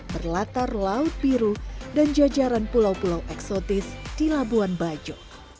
berlatar laut biru dan jajaran pulau pulau eksotis di labuan bajo